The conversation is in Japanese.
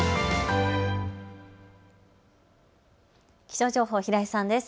気象情報、平井さんです。